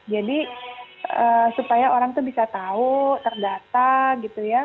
jadi supaya orang tuh bisa tahu terdata gitu ya